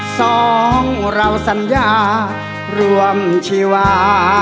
สองเราสัญญารวมชีวา